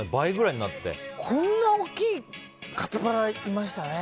こんな大きいカピバラもいました。